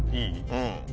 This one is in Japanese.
うん。